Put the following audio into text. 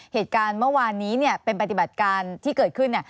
เหตุการณ์เมื่อวานนี้เป็นปฏิบัติการที่เกิดขึ้น